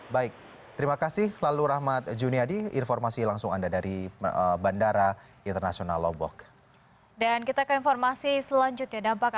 baik terima kasih lalu rahmat juniadi informasi langsung anda dari bandara internasional lombok